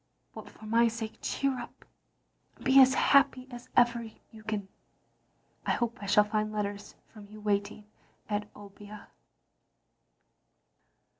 But for my sake cheer up, and be as happy as ever you can. I hope I shall find letters from you waiting at Obbia.